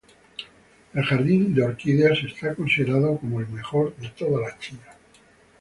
El jardín de orquídeas está considerado como el mejor de toda China.